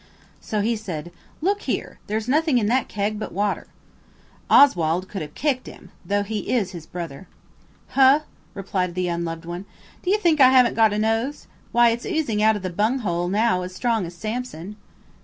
So he said, "Look here, there's nothing in that keg but water." Oswald could have kicked him, though he is his brother "Huh!" replied the Unloved One, "d'you think I haven't got a nose? Why, it's oozing out of the bunghole now as strong as Samson."